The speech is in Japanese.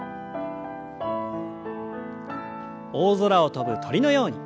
大空を飛ぶ鳥のように。